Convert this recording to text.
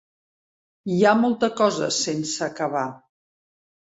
Hi ha molta cosa sense acabar.